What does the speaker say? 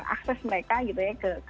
akses mereka gitu ya